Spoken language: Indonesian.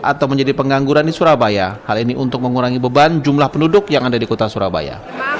atau menjadi pengangguran di surabaya hal ini untuk mengurangi beban jumlah penduduk yang ada di kota surabaya